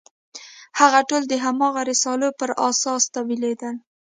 هغه ټول د هماغو رسالو پر اساس تاویلېدل.